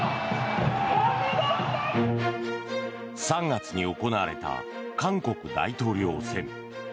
３月に行われた韓国大統領選。